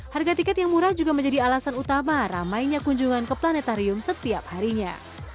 harga tiket yang murah juga menjadi alasan utama ramainya kunjungan ke planetarium setiap harinya